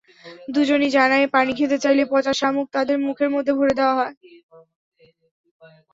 দুজনই জানায়, পানি খেতে চাইলে পচা শামুক তাদের মুখের মধ্যে ভরে দেওয়া হয়।